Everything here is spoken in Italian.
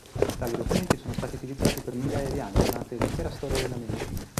Tali documenti sono stati utilizzati per migliaia di anni durante l'intera storia della medicina.